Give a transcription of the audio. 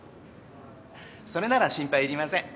それなら心配いりません。